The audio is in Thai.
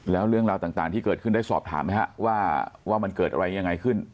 แล้วเรื่องราวต่างที่เกิดขึ้นได้สอบถามไหมฮะว่ามันเกิดอะไรยังไงขึ้น